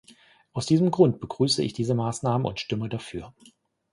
Aus diesem Grund begrüße ich diese Maßnahme und stimme dafür.